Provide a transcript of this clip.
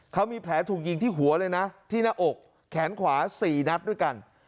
เขามีแผลถูกยิงที่หัวเลยนะที่หน้าอกแขนขวา๔นัดด้วยกัน